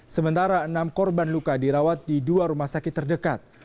sementara enam korban luka dirawat di dua rumah sakit terdekat